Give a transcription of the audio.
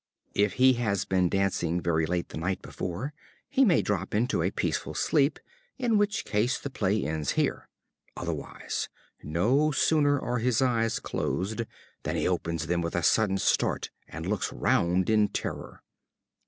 _ _If he has been dancing very late the night before, he may drop into a peaceful sleep; in which case the play ends here. Otherwise, no sooner are his eyes closed than he opens them with a sudden start and looks round in terror.